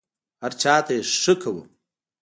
هر چا ته چې ښه کوم،